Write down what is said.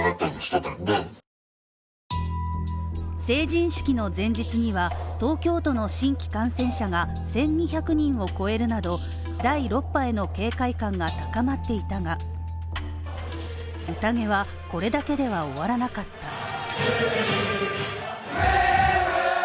成人式の前日には東京都の新規感染者が１２００人を超えるなど第６波への警戒感が高まっていたが、うたげはこれだけでは終わらなかった。